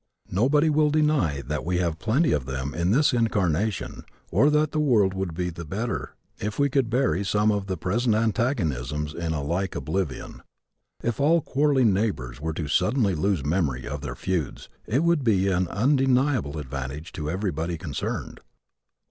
Nobody will deny that we have plenty of them in this incarnation or that the world would be the better if we could bury some of the present antagonisms in a like oblivion. If all quarreling neighbors were to suddenly lose memory of their feuds it would be an undeniable advantage to everybody concerned.